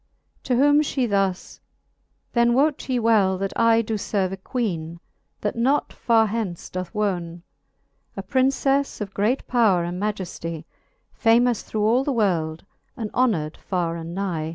To whom fhe thus ; Then wote ye well, that I Doe ferve a 0^eene,_that not far hence doth wone, A PrincefTe oiT great powre and majeftie, Famous through all the world, and honor'd far and nie.